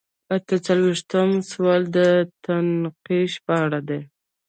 اته څلویښتم سوال د تفتیش په اړه دی.